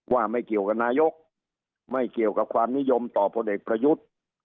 ว่าไม่เกี่ยวกับนายกไม่เกี่ยวกับความนิยมต่อพลเอกประยุทธ์